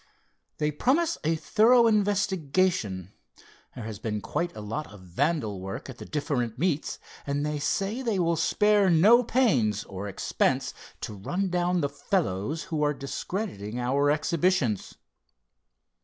"They promise a thorough investigation. There has been quite a lot of vandal work at the different meets, and they say they will spare no pains, or expense, to run down the fellows who are discrediting our exhibitions.